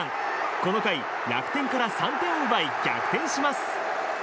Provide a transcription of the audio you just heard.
この回、楽天から３点を奪い逆転します。